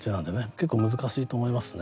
結構難しいと思いますね。